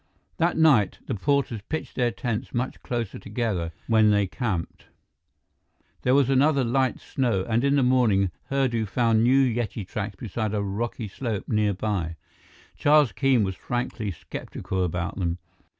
That night, the porters pitched their tents much closer together when they camped. There was another light snow, and in the morning Hurdu found new Yeti tracks beside a rocky slope nearby. Charles Keene was frankly skeptical about them.